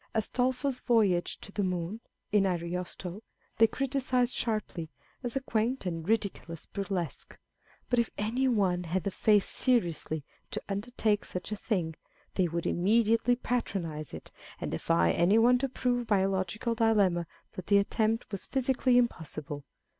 Astolpho's voyage to the moon, in Ariosto, they criticise sharply as a quaint and ridiculous burlesque : but if any one had the face seriously to undertake such a thing, they would immediately patronise it, and defy any one to prove by a logical dilemma that the attempt was physically impossible.